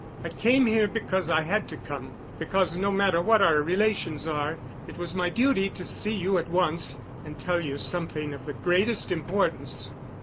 I came here because I had to come, because no matter what our relations are it was my duty to see you at once and tell you something of the greatest importance."